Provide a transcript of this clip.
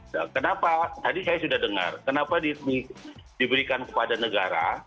nah kenapa tadi saya sudah dengar kenapa diberikan kepada negara